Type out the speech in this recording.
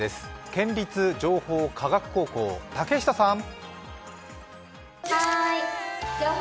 県立情報科学高校、竹下さん。